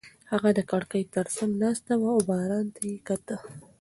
هغه د کړکۍ تر څنګ ناسته وه او باران یې کاته.